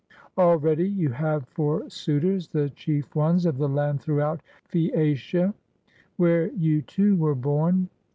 Already you have for suitors the chief ones of the land throughout Phseacia, where you too were born.